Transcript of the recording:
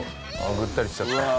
ぐったりしちゃった。